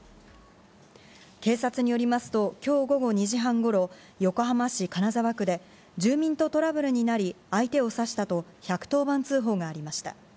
警察によりますと、きょう午後２時半ごろ、横浜市金沢区で、住民とトラブルになり、相手を刺したと、１１０番通報がありました。